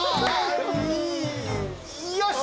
よし！